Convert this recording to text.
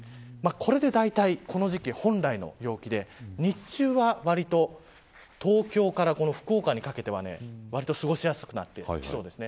だいたい、この時期本来の陽気で日中は割と東京から福岡にかけては過ごしやすくなってきそうです。